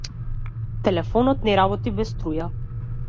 Телефонот не работи без струја.